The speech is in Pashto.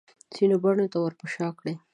خپلو بڼو ته ورپه شا کړي